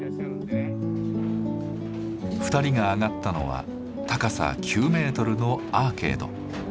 ２人が上がったのは高さ９メートルのアーケード。